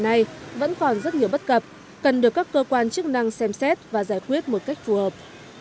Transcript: nhưng còn rất nhiều bất cập cần được các cơ quan chức năng xem xét và giải quyết một cách phù hợp